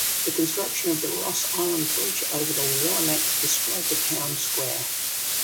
The construction of the Ross Island Bridge over the Willamette destroyed the town square.